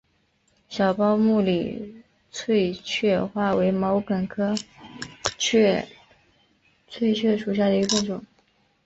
小苞木里翠雀花为毛茛科翠雀属下的一个变种。